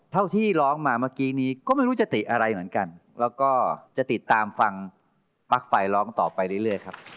ที่ร้องมาเมื่อกี้นี้ก็ไม่รู้จะติอะไรเหมือนกันแล้วก็จะติดตามฟังปลั๊กไฟร้องต่อไปเรื่อยครับ